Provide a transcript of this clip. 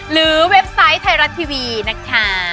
เว็บไซต์ไทยรัฐทีวีนะคะ